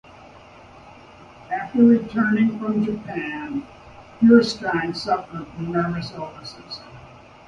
After returning from Japan, Feuerstein suffered from nervous illness.